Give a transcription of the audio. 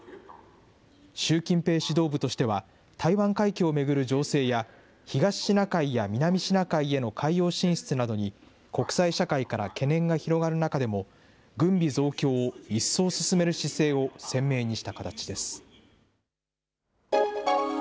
習近平指導部としては、台湾海峡を巡る情勢や東シナ海や南シナ海への海洋進出などに、国際社会から懸念が広がる中でも、軍備増強を一層進める姿勢を鮮明にした形です。